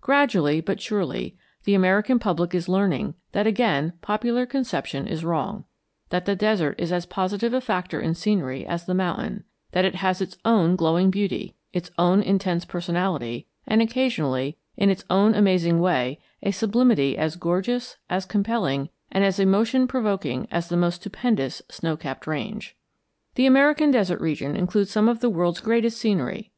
Gradually but surely the American public is learning that again popular conception is wrong, that the desert is as positive a factor in scenery as the mountain, that it has its own glowing beauty, its own intense personality, and occasionally, in its own amazing way, a sublimity as gorgeous, as compelling, and as emotion provoking as the most stupendous snow capped range. The American desert region includes some of the world's greatest scenery.